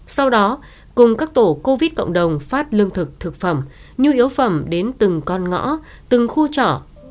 sau đó cùng các tổ covid cộng đồng phát lương thực thực phẩm nhu yếu phẩm đến từng con ngõ từng khu trọ